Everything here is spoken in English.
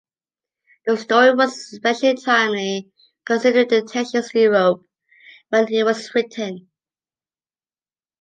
The story was especially timely, considering the tensions in Europe when it was written.